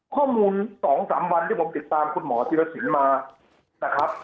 ข้อมูล๒๓วันที่ผมติดตามคุณหมอธิรสินมานะครับ